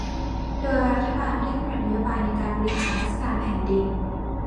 โดยรัฐบาลได้กำหนดนโยบายในการบริหารราชการแผ่นดิน